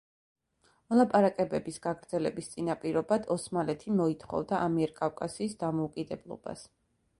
მოლაპარაკებების გაგრძელების წინაპირობად ოსმალეთი მოითხოვდა ამიერკავკასიის დამოუკიდებლობას.